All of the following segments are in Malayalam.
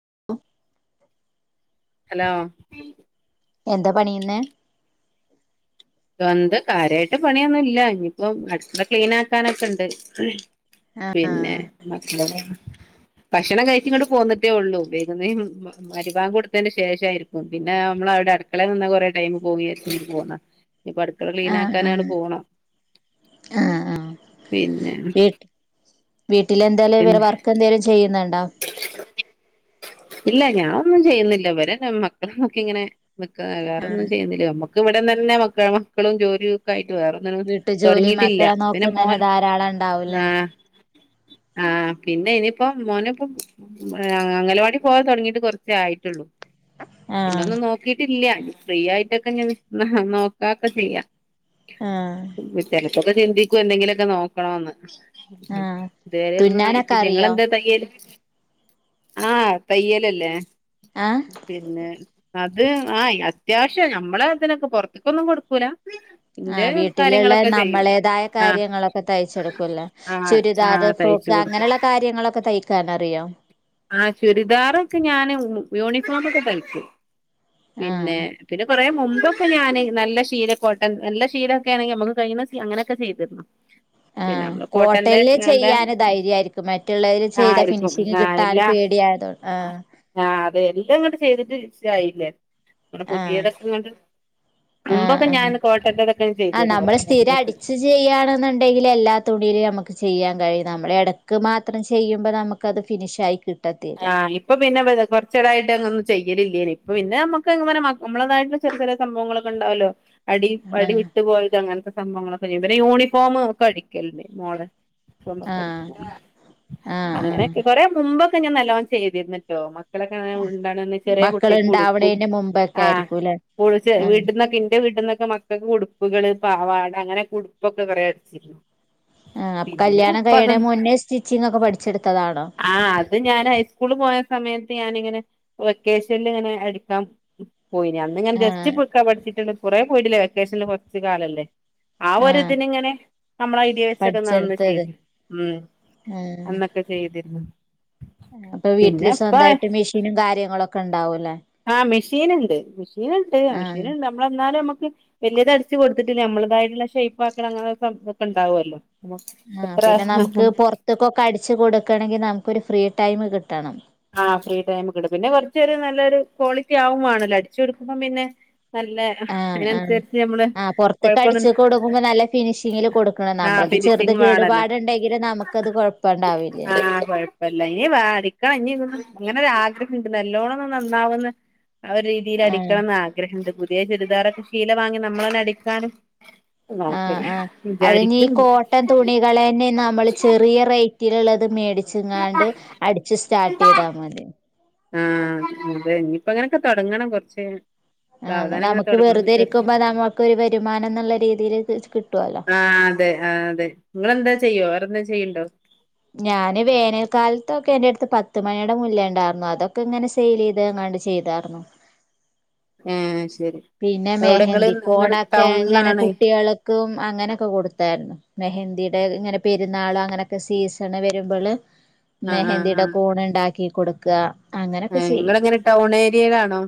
[unintelligible] ഹലോ എന്താ പണിയുന്ന് വന്ത് കാര്യായ്ട്ട് പണിയൊന്നും ല്ല ഇനിയിപ്പോ അട്കള ക്ലീൻ ആക്കാനൊക്കെ ണ്ട് ആഹ് പിന്നെ ഭക്ഷണം കയ്ച്ച്ങ്ങട്ട് പോന്നിട്ടേ ഒള്ളൂ വെയ്കുന്ന മരിബാങ് കൊടുത്തെന് ശേഷായിരിക്കും പിന്നെ നമ്മ അവടെ അടുക്കളെ നിന്നാ കൊറെ ടൈം പോകും ചാര്ച്ച് പോന്നാ ഞ് പ്പ അടുക്കള ആഹ് ക്ലീനാക്കാനാണ്ട് ആഹ് പോണം പിന്നെ വീ വീട്ടിൽ എന്താലെ വറെ വർക്ക ന്തെലും ചെയ്യുന്നുണ്ടോ ഇല്ല ഞാഒന്നും ചെയ്യുന്നില്ലവരെ മക്കളെ നോക്കിങ്ങെനെ മക്ക് വേറൊന്നും ആഹ് ചെയ്യുന്നില്ല നമ്മക്ക് ഇവിട ന്നെ ന്നെ മക്ക മക്കളും ജോലിയും ഒക്കെ ആയിട്ട് വേറൊന്നും വീട്ടു ജോലി തോട്ങ്ങിട്ടില്ല മക്കളെ പിന്നെ നോക്കുന്നന്നെ മോൻ ധാരാളം ആ ഉണ്ടാവൂലേ ആ പിന്നെ ഇനിയിപ്പോ മോന് ആ അംഗലവാടി പോവാൻ തോട്ങ്ങീട്ട് കൊറ്ച്ചേ ആയിട്ടുള്ളൂ പിന്ന ആഹ് ഒന്നും നോക്കിട്ടില്ല ഫ്രീ ആയിട്ടൊക്കെ ഞൻ നോക്ക ഒക്കെ ചെയ്യാ ആഹ് ചിന്തിക്കും എന്തെങ്കിലോക്കെ നോക്കണോന്ന് ആഹ് തെരെ ഒന്നും തുന്നാനൊക്കെ ആയിട്ടില്ല അറിയോ ഇങ്ങളെന്താ തയ്യല് ആ തയ്യലല്ലേ ആഹ് പിന്നെ അത് ആ അത്യാവശ്യം ഞമ്മളെ ത് നൊക്കെ പോറ്ത്ത്ക്കൊന്നും കൊട്ക്കൂല [unintelligible] ആ വീട്ടിലുള്ള നമ്മളേതായ ആഹ് കാര്യങ്ങളൊക്കെ തയ്ച്ചെടുക്കൂല്ലേ ആഹ് ചുരിദാറ് ആഹ് തയ്ച്ചു ഫ്രോക്ക് കൊടുക്കും അങ്ങനെള്ള കാര്യങ്ങളൊക്കെ തയ്ക്കാനറിയോ ആ ചുരിദാറൊക്കെ ഞാന് യൂണിഫോമോ ക്കെ തയ്ക്കു ആഹ് പിന്നെ പിന്നെ കൊറേ മുമ്പൊക്കെ ഞാന് നല്ല ശീലക്കോട്ടൻ നല്ല ശീലോക്കെ ആണെങ്കി നമ്മളും കയ്യ്ണേ അങ്ങനെയൊക്കെ ചെയ്തിരുന്നു പിന്നെ ആഹ് നമ്മള് കോട്ടന്റെ കോട്ടനില് ലിനന്റെ ചെയ്യാന് ധൈര്യായിരിക്കും മറ്റുള്ളതില് ചെയ്ത ആയിരിക്കും ഫിനിഷിങ് ആ കിട്ടാന് അ പേടിയായതോ ആഹ് ആ അതെ എന്ത് ങേട്ട് ചെയ്തിട്ട് [unintelligible] [unintelligible] പുതിയ ഡ്രസ്സ്‌ [unintelligible] ആ ആ അ ചെയ്തിരുന്നു നമ്മള് കുറച്ച് സ്ഥിര മുമ്പൊക്കെ അടിച് ചെയ്യാണെന്നുണ്ടെങ്കിൽ എല്ലാ തുണിയിലും നമ ചെയ്യാൻ കഴിയും നമ്മൾ എടക്ക് മാത്രം ചെയ്യുമ്പോ നമുക്കത് ഫിനിഷായിയ കി ആ ഇപ്പൊ പിന്നെ കൊറ്ച്ചടായിട്ട് നമ്മള് ചെയ്യലില്ലേനി പിന്നെ നമ്മുക്ക് ഇങ്ങനെ മ നമ്മളെതായിട്ടുള്ള ചെറിയ ചെറിയ സംഭവങ്ങളൊക്കെ ണ്ടാവോല്ലോ അടി വടി ആഹ് വിട്ടു പോയത് അങ്ങനത്തെ സംഭവങ്ങളൊക്കെ ചെയ്യും പിന്നെ യൂണിഫോമ് ഒക്കെ അടിക്കല്ണ്ട് മോളെ യൂണിഫോം ഒക്കെ ആഹ് അടിക്കും ആഹ് ആഹ് അങ്ങനക്കെ കൊറെ മുമ്പൊക്കെ ഞാൻ നല്ലോണം ചെയ്തിര്ന്നിട്ടോ മ മക്കളൊക്കെ ഉണ്ടാവണമുന്നെ ചെറിയെ കുട്ടിക്ക് ഉട്പ്പും മക്കള്ണ്ടാവണേന്റെ മുമ്പൊക്കെ ആ ആയിരിക്കൂല്ലേ [unintelligible] ആഹ് വീട്ട്ന്നൊക്കെ ഇന്റെ വീട്ടിന്നൊക്കെ മക്കൾക്ക് ഉട്പ്പുകള് പാവാട അങ്ങനെ കുടുപ്പൊക്കെ കൊറ അടിച്ചിന്നു ആ കല്യാണം കഴിയണ മുന്നേ സ്റ്റിച്ചിങ് ഒക്കെ പഠിച്ചെട്ത്തതാണോ ഹൈസ്കൂള് പോയ സമയത്ത് ഞാനിങ്ങനെ വെക്കേഷനിൽ ങ്ങനെ അടിക്കാം പോയി ഞാൻ അന്ന് ആഹ് ജസ്റ്റ്പൊട്ക്കാ പഠിച്ചിട്ടുണ്ട് കുറെേ പോയിട്ടില്ല വെക്കേഷനില് കൊറ്ച്ച് കാലല്ലേ ആ ഒര് ആഹ് ഇതിന് ങ്ങനെ നമ്മളെ ഐഡിയാ വെച്ചൊക്കെ നമ്മൾ പഠിച്ചെടുത്തത് ചെയ്തു ഉം ആഹ് അന്നൊക്കെ ചെയ്തിര്ന്നു അപ്പൊ വീട്ടില് സ്വന്തമായിട്ട് മെഷീനും കാര്യങ്ങളുമൊക്കെ ഉണ്ട് ആ മെഷീൻണ്ട് മെഷീൻണ്ട് ആഹ് മെഷീൻണ്ട് നമ്മളന്നാലും നമ്മക്ക് വലിയത് അടച്ച് കൊടുത്തിട്ടില്ല നമ്മളതായിട്ടുള്ള ഷേയ്‌പ്പ് ആക്കണം അങ്ങന ഒക്കെണ്ടാവുമല്ലോ ആ പിന്നെ നമുക്ക് പുറത്തേക്കൊക്കെ അടിച്ചു കൊടുക്കണമെങ്കിൽ നമുക്കൊരു ഫ്രീ ടൈം കിട്ടണം ആ ഫ്രീ ടൈം കിട്ടും പിന്നെ കുറച്ചൊ ഒരു നല്ലൊരു ക്വാളിറ്റി ആവും വേണല്ലോ അടിച്ചു കൊടുക്കുമ്പം പിന്നെ നല്ല ആഹ് ആഹ് അതിനനുസരിച്ച് നമ്മള് ആഹ് പൊറത്ത്ക്ക് കൊഴപ്പൊന്ന അടിച്ച് കൊടുക്കുമ്പോ നല്ല ഫിനിഷിങ്ങില് കൊടുക്കണം ആ നമ്മളത് ചെറുത് ഫിനിഷിങ് വേണല്ലോ കേടുപാടുണ്ടെങ്കില് നമുക്കത് കൊഴപ്പണ്ടാവില്ലല്ലോ ആ കുഴപ്പില്ല ഇനി വേടിക്കണം ഇനി ഇതൊന്ന് അങ്ങനെ ഒരാഗ്രഹോണ്ട് നല്ലോണ്ണം നന്നാവന്ന് ആ ഒരു രീതിയിൽ ആഹ് അടിക്കണം എന്ന് ആഗ്രഹമുണ്ട് പുതിയ ചുരിദാർ ഒക്കെ ശീല വാങ്ങി നമ്മളന്നെ അടിക്കാണ് ആ ആ അതിനി ഈ കോട്ടൻ തുണികളന്നെ നമ്മള് ചെറിയ റേറ്റിലുള്ളത് അത് മേടിച്ച്ങ്ങാണ്ട് അടിച്ച് സ്റ്റാർട്ട് ചെയ്താൽ മതി ആ അതെ ഇനിയിപ്പ അങ്ങനെയൊക്കെ തൊടങ്ങണം കൊറച്ച് കഴിഞ്ഞ് ആ നമുക്ക് വെറുതെ ഇരിക്കുമ്പോ നമുക്ക് ഒരു വരുമാനം എന്നുള്ള രീതിയിൽ കി ആ അതെ ആ അതെ നിങ്ങളെന്തേ ചെയ്യോ വേറെന്താ ചെയ്യണ്ടോ ഞാന് വേനൽക്കാലത്തൊക്കെ എന്റെ അടുത്ത് പത്ത് മണിയുടെ മുല്ലണ്ടാർന്നു അതൊക്കെ ഇങ്ങനെ സെയിൽ ചെയ്ത് ചെയ്താർന്നു ആ ശരി പിന്നെ എവിടെ ഇങ്ങള് മെഹന്തി ഇങ്ങള് കോടൊക്കെ ഇങ്ങനെ ടൗണിലാണ് കുട്ടികൾക്കും അങ്ങനൊക്കെ കൊടുത്തായിരുന്നു മെഹന്ദിയുടെ ഇങ്ങനെ പെരുന്നാള് അങ്ങനൊക്കെ സീസണ് വരുമ്പോൾ ആഹ് ആഹ് മെഹന്തിയുടെ ആഹ് കോൺ ഇണ്ടാക്കി കൊടുക്കുക അങ്ങനൊക്കെ ഏഹ് ചെയ്യും ഇങ്ങളെങ്ങനെ ടൗൺ ഏരിയേലാണോ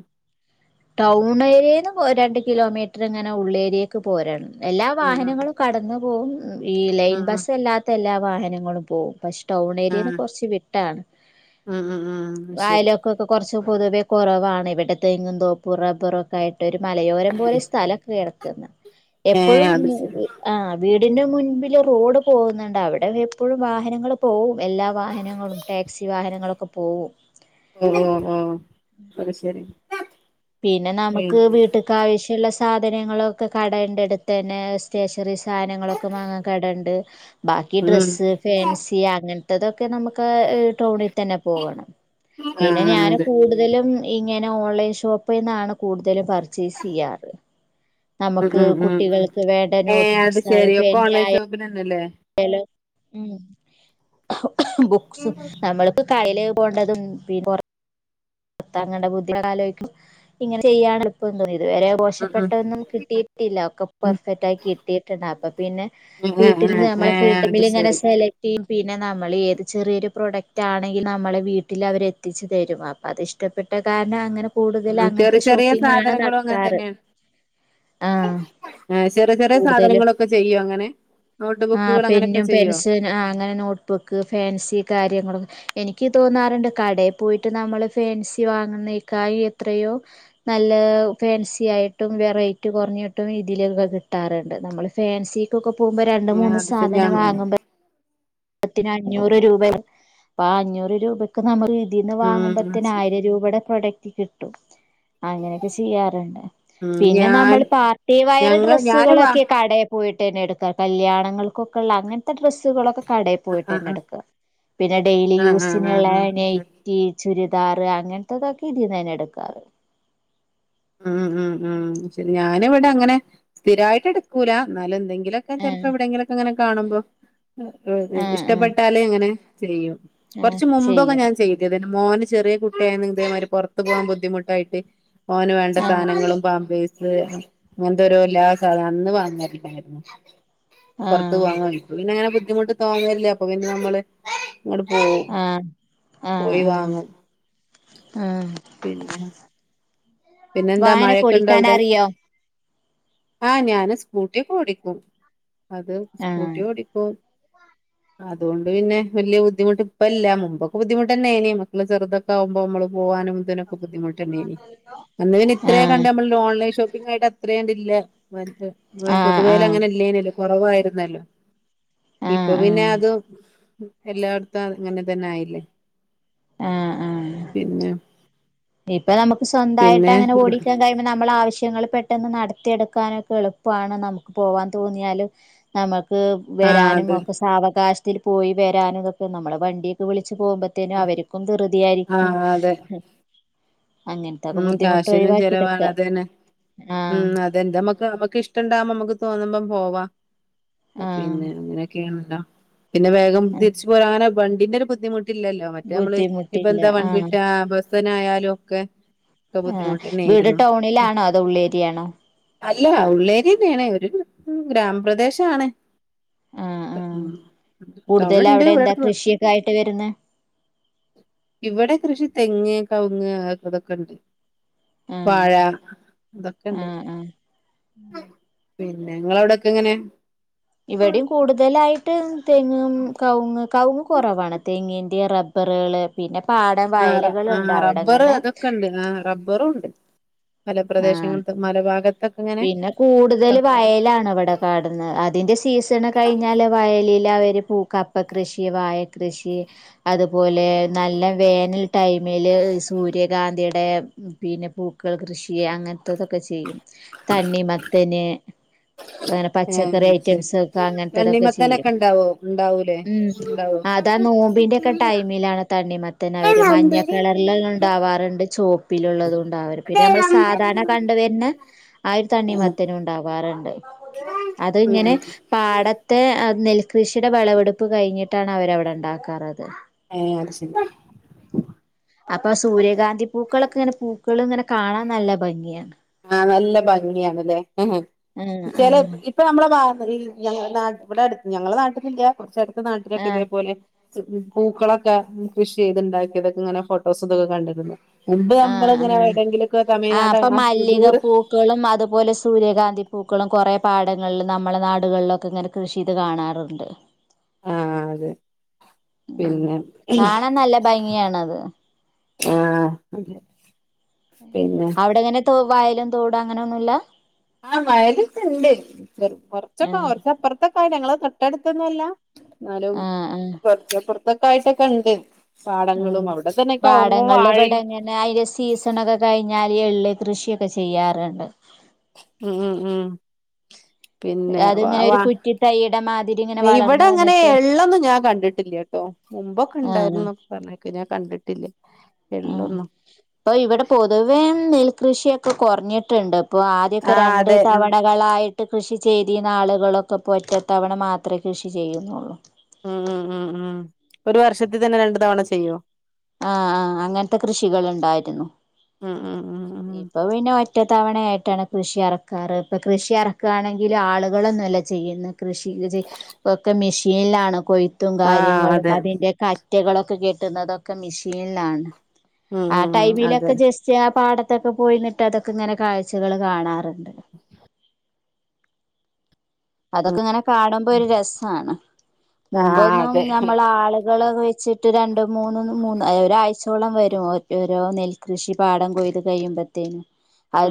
ടൗൺ ഏരിയേന്ന് പോ രണ്ട കിലോമീറ്റർ ഇങ്ങനെ ഉള്ളേരിയേക്ക് പോരാണ് എല്ലാ ഉം വാഹനങ്ങളും ഉം കടന്നു പോകും ഈ ലൈൻ ഉം ഉം ബസ്സ് അല്ലാത്ത എല്ലാ വാഹനങ്ങളും പോവും പക്ഷെ ടൗൺ ഏരിയന്ന് ആഹ് കൊറച്ച് വിട്ടാണ് ഉം ഉം ഉം അത് ശരി വയലൊക്ക ഒക്കെ കൊറച്ച് പൊതുവെ കുറവാണ് ഇവിടെ തെങ്ങുംന്തോപ്പ് റബ്ബറൊക്കെയായിട്ട് ഒരു മലയോരം പോലെ സ്ഥലം കെടക്കും ഏഹ് എപ്പോഴും അത് ശരി ആ വീട് വീടിന്റെ മുൻപില് റോഡ് പോകുന്നുണ്ട് അവിടെ എപ്പോഴും വാഹനങ്ങൾ പോവും എല്ലാ വാഹനങ്ങളും ടാക്സി വാഹനങ്ങളൊക്കെ പോവും ഓ ഓ അത് ശരി പിന്നെ നമുക്ക് വീട്ടക്ക് ആവശ്യള്ള സാ സാധനങ്ങളൊക്കെ കടണ്ട് അടുത്ത് തന്നെ സ്റ്റേഷനറി സാധനങ്ങളൊക്കെ വാങ്ങാൻ കടയുണ്ട് ബാക്കി ഉം ഡ്രസ്സ് ഫാൻസി അങ്ങനത്തെതൊക്കെ നമുക്ക് ടൗണിൽ തന്നെ പോകണം പിന്നെ ആഹ് ഞാന് അതെ കൂടുതലും ഇങ്ങനെ ഓൺലൈൻ ഷോപ്പി പ്പീന്നാണ് കൂടുതലും പർച്ചേസ് ചെയ്യാറ് ഉം നമുക്ക് ഉം ഉം ഉം കുട്ടികൾക്ക് വേണ്ട ഏഹ് അത് നോട്ട്ബുക്സ് ശരി ഒക്കെ പേനയ ഓൺലൈൻ ഷോപ്പിനെന്നെല്ലേ ആയാലും ഉം ബുക്സ് നമ്മൾക്ക് കായല് പോണ്ടതും പിറ താങ്കളുടെ ബുദ്ധി ഇങ്ങനെ ചെയ്യാണ് എപ്പം തോന്നിയത് അത് വരെ ഉം മോഷപ്പെട്ടൊന്നും കിട്ടിയിട്ടില്ല ഒക്കെ പെർഫെക്റ്റ് ആയി കിട്ടിയിട്ടുണ്ട് അപ്പൊ പിന്നെ ഉം വി ഉം ട്ടിൽ ഏ ഏ നമ്മെ ഫ്രീ ഏ അത് ടൈമില് ഇങ്ങനെ ശരി സെലക്ട് ചെയ്യും പിന്നെ നമ്മൾ ഏത് ചെറിയൊരു പ്രോഡക്റ്റ് ആണെങ്കിൽ നമ്മളെ വീട്ടിൽ അവർ എത്തിച്ച് തരും അത് ഇഷ്ടപ്പെട്ടകാരണം അങ്ങനെ കൂടുതൽ ചെറിയ അങ്ങനത്തെ ചെറിയ ഷോപ്പിംഗ് ആണ് സാധനങ്ങളും അങ്ങനെ നടത്താറ് തന്നെയാണ് ആഹ് ആ ഏ ചെറിയ ചെറിയ കൂടുതലും സാധനങ്ങളൊക്കെ ചെയ്യും അങ്ങനെ നോട്ട് ആ ബുക്കുകൾ അങ്ങനെയൊക്കെ പിന്നും ചെയ്യോ പെൻസി അങ്ങനെ നോട്ട്ബുക്ക് ഫാൻസി കാര്യങ്ങളൊക്ക എനിക്ക് തോന്നാറുണ്ട് കടയിൽ പോയിട്ട് നമ്മൾ ഫാൻസി വാങ്ങുന്നേക്കാ എത്രയോ നല്ല ഫാൻസി ആയിട്ടും വെറൈറ്റി കുറഞ്ഞ ട്ടും രീതിയിലൊക്കെ കിട്ടാറുണ്ട് നമ്മള് ഫാൻസക്ക് ഒക്കെ പോകുമ്പോ രണ്ട് ഏഹ് മൂന്ന് അത് ശരി സാധനം ഞാൻ വാങ്ങുമ്പോ പത്തിന് അഞ്ഞൂറ് രൂപ അപ്പൊ ആ അഞ്ഞൂറ് രൂപക്ക് നമുക്ക് ഇതിന്ന് ഉം വാങ്ങുമ്പോത്തിന് ശരി ആയിരം രൂപയുടെ പ്രൊഡക്റ്റ് കിട്ടും അങ്ങനെയൊക്കെ ചെയ്യാറുണ്ട് ഉം പിന്നെ ഞാൻ നമ്മൾ പാർട്ടി വെയർ ഞങ്ങൾ ഞാന് വാ ഡ്രസ്സുകളൊക്കെ കടയിൽ പോയിട്ട് തന്നെ എടുക്കാറ് കല്യാണങ്ങൾക്കൊക്കെയുള്ള അങ്ങനത്തെ ഡ്രെസ്സുകളൊക്കെ കടയിൽ ആഹ് പോയിട്ട് തന്നെ ആഹ് എടുക്കുക. പിന്നെ ഡെയിലി ആഹ് ആഹ് യൂസിനുള്ള ആഹ് ആഹ് ശരി നൈറ്റി ചുരിദാർ റ് അങ്ങനത്തതൊക്കെ ഇതിന്ന എടുക്കാറ് ഉം ഉം ഉം ശരി ഞാനിവിടെ അങ്ങനെ സ്ഥിരായിട്ട് എടുക്കൂല എന്നാലും എന്തെങ്കിലും എന്തേലൊക്കെ ആഹ് ചെലപ്പോ എവിടെങ്കിലൊക്കെ ഇങ്ങനെ കാണുമ്പോ ആഹ് ആഹ് ഇഷ്ടപ്പെട്ടാലേ അങ്ങനെ ചെയ്യും ആഹ് കുറച്ച മുമ്പൊക്കെ ചെയ്യും ഞാൻ ചെയ്തതിനു മോന് ചെറിയ കുട്ടിയായിരുന്നു ഇതേമാതിരി പുറത്തു പോകാൻ ബുദ്ധിമുട്ടായിട്ട് ഓന് വേണ്ട ആഹ് സാധനങ്ങളും പാമ്പേഴ്സ് അങ്ങനത്തെ ഒരു എല്ലാ സാധനം അന്ന് വരില്ലായിരുന്നു പുറത്ത് ആഹ് പോവാൻ പിന്നെ അങ്ങനെ ബുദ്ധിമുട്ട് തോന്നാറില്ലേ അപ്പൊ പിന്നെ നമ്മള് അങ്ങോട്ട പോവും ആഹ് ആഹ് പോയി ആഹ് വാങ്ങും ആഹ് പിന്നെ പിന്നെന്താ വായന മഴയൊക്കെ ഇണ്ടോ കുടിക്കാൻ അവിടെ? അറിയോ ആ ഞാന് സ്കൂട്ടി ഓക്കെ ഓടിക്കും അത് സ്കൂട്ടി ഓടിക്കും ഉ [inaudible] അതുകൊണ്ട് പിന്നെ വല ബദ്ധിമുട്ട് ഇപ്പ ഇല്ല മുമ്പോക്കെ ബുദ്ധിമുട്ട് തന്നെ ആയിന് മക്കൾ ചെറുതൊക്കെ ആക്പോ നമ്മ പോകാനും ഇതിനും ബുദ്ധിമുട്ടണ്ടേ ഇനി അന്ന് പിന്നെ ഇത്രയ കണ്ട ആഹ് നമ്മള ഓൺലൈൻഷോപ്പി ആയിട്ട് അത്രേണ്ട ഇ അനക്ക് ആഹ് പൊതുവേ ആഹ് അങ്ങനെ ഇല്ലേനല്ലോ കുറവായിരുന്നല്ലോ ആഹ് ഇപ്പൊ പിന്നെ ആഹ് അതും എല്ലായിടത്തും ഇങ്ങനെ തന്നെ ആയില്ലേ ആ ആ പിന്നെ ഇപ്പൊ നമു സ്വന്തമായിട്ട് പിന്നെ അങ്ങനെ ഓടിക്കാൻ കഴിയുമ്പോ നമ്മൾ ആവശ്യ ആവശ്യങ്ങൾ പെട്ടെന്ന് നടത്തിയെടുക്കാനൊക്കെ എളുപ്പമാണ് നമുക്ക് പോവാൻ തോന്നിയാല് നമുക്ക് ആഹ് വരാനും അതെ ഒക്കെ സാവകാശത്തിൽ പോയി വരാനും ഇതൊക്കെ നമ്മെ വണ്ടിയൊക്കെ വിള ച്ചു പോകുമ്പോത്തേനും അവർക്കും ദിറുതിയായിരിക്കും ആഹ് അതെ ഉം കാശിനും ഒഴിവാക്കിയെടുക്ക ചെലവാണ് അത തന്നെ ആഹ് ഉം അതെന്താ നമ്മക്ക് നമ്മുക്ക് ഇഷ്ട ഇണ്ടാമ്പ നമ്മുക്ക് തോന്നുമ്പം പോവാ ആഹ് പിന്നെ അങ്ങനെയൊക്കെയാണല്ലോ പിന്നെ വേഗം തിരിച്ചു പോലും അങ്ങനെ വണ്ടിന്റെ ഒരു ബുദ്ധിമുട്ടില്ലല്ലോ മറ്റേ നമ്മള് ഇപ്പ ബുദ്ധിമുട്ടില്ല എന്താ വണ്ടിട്ട് ആഹ് കിട്ട്വോ ബസ്സിനായാലും ഒക്കെ ഒക്കെ ആ ബുദ്ധിമുട്ട് വീട് തന്നെയായിരുന്നു ടൗണിലാണോ അതോ ഉള്ളേരിയയാണോ അല്ല ഉള്ളേരിയ തന്നെയാണ് ഒരു ഗ്രാമപ്രദേശം ആണ് ആഹ് ഉ ആഹ് തവിഴ കൂടുതൽ ഇണ്ട് അവിടെ ഇവിടെ എന്താ അടുത്ത് പോ [unintelligible] [inaudible] കൃഷിയൊക്കെ ആയിട്ട് വരുന്നെ ഇവിടെ കൃഷി തെങ്ങ് കവുങ്ങ് ഇതൊക്കെുണ്ട് ആഹ് വാഴ അതൊക്കെ ഇണ്ട്. ആഹ് ആഹ് പിന്നെ ങ്ങളവിടെക്കെ എങ്ങനെ ഇവിടെയും കൂടുതലായിട്ട് തെങ് കവുങ്ങ് കവുങ്ങ് കുറവാണ് തേങ്ൻ്റെ റബ്ബറുകൾ പിന്നെ പാടം ആ ആ വയലുകളൾണ്ട് റബ്ബർ അവിടെങ്ങനെ അതൊക്കെ മല ആഹ് പ്രദേശങ്ങൾ മല ഭാഗത്തൊക്കെങ്ങനെ പിന്നെ കൂടുതൽ വയലാണ് ഇവിടെ കടന്ന് അതിന്റെ സീസൺ കഴിഞ്ഞാല് വയല് കൃഷി വാഴ കൃഷി അതുപോലെ നല്ല വേനൽ ടൈം മേൽ സൂര്യകാന്തിയുടെ പിന്നെ പൂക്കൾ കൃഷി അങ്ങനത്തൊക്കെ ചെയ്യും തണ്ണിമത്തൻ അങ്ങനെ ഏ പച്ചക്കറി അത് ശരി ഐറ്റംസ് ഒക്കെ അങ്ങനത്തതൊക്കെ ചെയ്യും തണ്ണിമത്തനൊക്കെ ഉണ്ടാവോ ഉണ്ടാവൂലേ ഉ ഉണ്ടാവോ അതാ നോമ്പിന്റെറെ ഒക്കെ ടൈമിലാണ് തണ്ണിമത്തൻ അവര് ആഹ് മഞ്ഞ കളറൽ ഉണ്ടാവാറുണ്ട് ചോപ്പിൽ ള്ളതും ഉണ്ടാവാരുണ്ട് പിന്നെ നമ്മള് സാധാരണ കണ്ട വരുന്ന ആ ഒരു ഉം തണ്ണിമത്തനും ഉണ്ടാവാറുണ്ട് അത് ഇങ്ങനെ പാടത്തെ നെൽ കൃഷിയുടെ വിളവെടുപ്പ് കഴിഞ്ഞിട്ടാണ് അവരവിടെ ഉണ്ടാക്കാണത് ഏ ചിന്ത [inaudible] അപ്പ സൂര്യകാന്തി പൂക്കളൊക്ക ങ്ങനെ പൂക്കള് ങ്ങനെ കാണാൻ നല്ല ഭംഗിയാ. ആഹ്, നല്ല ഭംഗിയാണല്ലേ. ഹെ, ഹെ, ആഹ് ചെ ല ആഹ് ഇപ്പ നമ്മളെ വാ [unintelligible] ന്നാ ഇവിടടുത്ത് ഞങ്ങളെ നാട്ടിലില്ല. കുറച്ച് അടുത്തനാട്ടിലൊക്കെ ഇതേപോലെ. പൂക്കളൊക്ക കൃഷി ചെയ്ത്ണ്ടാക്കിയതൊക്ക ങ്ങന ഫോട്ടോസ് തൊക്കെ കണ്ടക്ക്ണ്. മുമ്പ് ആഹ് ആഹ് നമ്മളിങ്ങനെ ആഹ് വിടെങ്കിലൊക്ക ആ തമിഴ്നാട്, ഇപ്പൊ ആഹ്. മല്ലിക പൂക്കളും അതുപോലെ സ് സൂര്യകാന്തി പൂക്കളും കൊറെ പാടങ്ങളിലും നമ്മളെ നാടുകളിലൊക്കെ ഇങ്ങനെ കൃഷി ത് കാണാറുണ്ട്. ആഹ് അതെ. ഉം പിന്നെ. കാണാൻ നല്ല [unintelligible] ഭംഗിയാണത് ആഹ്. പിന്നെ അവിടങ്ങനെ, തോ വയലും തോടും അങ്ങനൊന്നുല്ല. ആഹ്, വയല്ക്ക ണ്ട്. കൊർച്ചൊക്ക ആഹ് കൊർച്ചപ്പുറത്തൊക്കയിട്, ഞങ്ങള തൊട്ടടുത്തൊന്നും അല്ല. ന്നാലും, ആഹ് കൊർച്ചപ്പുർത്തൊക് യിട്ടൊക്ക ണ്ട്. ആഹ്, പാടങ്ങള് ള് ഇവിടെ വാഴയും ങ്ങനെ അയിര് സീസണൊക്ക കഴിഞ്ഞാല് എള്ള് കൃഷി ഒ. ക്ക ചെയ്യാറ്ണ്ട്. ഉം ഉം ഉം പിന്നെ അത് വ ങ്ങനെ ഒരു വാ കുറ്റി തൈയുടെ മാതിരിങ്ങനെ. ഇവിടെ അങ്ങനെ എള്ളൊന്നും ഞാൻ കണ്ടിട്ടില്യ ട്ടോ. മുമ്പൊക്കെ ആഹ് ണ്ടായിരുന്നു. ന്നൊക്ക പറഞ്ഞേക്ക്‌, ഞാൻ കണ്ടിട്ട് ആഹ്, ഇപ്പൊ ഇവിടെ പൊതുവേ നെൽകൃഷിയൊക്ക കൊർഞ്ഞിട്ണ്ട്. പ്പൊ, ആദ്യക്ക ആഹ് രണ്ട് അതെ ഉം തവണകളായിട്ട് കൃഷി. ചേതീന്നാളുകളൊക്ക പ്പ ഒറ്റത്തവണ മാത്രേ കൃഷി ചെയ്യുന്നുള്ളൂ. ഉം ഉം ഉം ഉം ഒരു വർഷത്തി തന്നെ രണ്ടു തവണ ചെയ്യോ. ആഹ്, ആഹ്, അങ്ങൻത കൃഷികളുണ്ടായിരുന്നു. ഉം ഉം ഉം ഉം ഇപ്പൊ പിന്ന. ഒറ്റ തവണയായിട്ടാണ് കൃഷി ഇറക്കാറ്. പ്പ കൃഷി ഇറക്കണെങ്കില് ആളുകളൊന്നുല്ല ചെയ്യുന്നത്. കൃഷി ഇജ് ഒക്കെ മെഷീനിലാണ്. കൊയ്ത്തും, ആഹ് കാര്യങ്ങളും, അതെ അതിന്റെ കൈ. റ്റകളൊക്ക കെട്ടുന്നതൊക്ക മിഷീൻ ലാണ്. ഉം ആ ഉം ഉം ടൈമിലൊക്ക അതെ ജസ്റ്റ് ആ പാട ത്തൊക്ക പോയിന്നിട്ട് അതൊക്ക ങ്ങനെ കാഴ്ചകള് കാണാറ്. അതൊക്ക ങ്ങനെ കാണുമ്പോ, ഒരു രസാണ്. ആഹ് മുമ്പൊന്നും അതെ നമ്മള ആള്. കളൊകെ വെച്ചിട്ട് രണ്ടും മൂന്നും മൂന്ന് ഒരാഴ്ചഓളം വരും ഒര് ഒരോ നെൽകൃഷി പാടംകൊയ്. ഇത് കയ്യുംമ്പത്തേന്.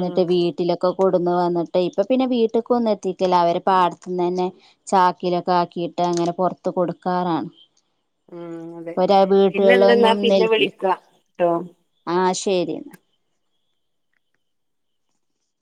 ഉം വീട്ടിലൊക്ക കൊടുന്ന് വന്ന്ട്ട് ഇപ്പപ്പിന്നെ വീട്ട്ക്കൊന്നെത്തിക്കല്ല അവര് പാടത്ത്ന്നെന്നെ ചാക്കിലൊക്കാക്കീട്ട് അങ്ങന പൊറത്ത് കൊടുക്കാറാണ്. ഉം അതെ ഒരേ വീട്ട് പിന്നെ എന്തെന്നാ [unintelligible] പിന്നെ നിൽക്ക് വിളിക്കാട്ടോ ആഷ് എരി എന്നാ.